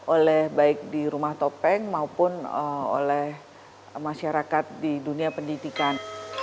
oleh baik di rumah topeng maupun oleh masyarakat di dunia pendidikan